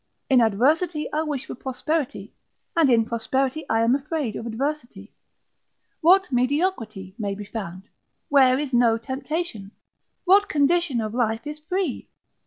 In adversity I wish for prosperity, and in prosperity I am afraid of adversity. What mediocrity may be found? Where is no temptation? What condition of life is free?